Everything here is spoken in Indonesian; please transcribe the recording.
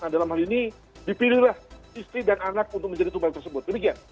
dalam hal ini dipilihlah istri dan anak untuk menjadi tumpeng tersebut demikian